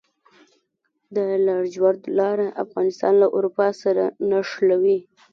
د لاجوردو لاره افغانستان له اروپا سره نښلوي